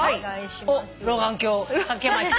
おっ老眼鏡掛けました。